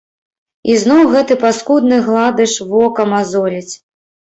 І зноў гэты паскудны гладыш вока мазоліць.